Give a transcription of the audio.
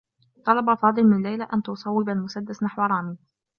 طلب فاضل من ليلى أن تصوّب المسدّس نحو رامي.